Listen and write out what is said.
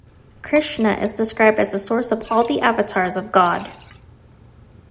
Krishna is described as the source of all the avatars of God.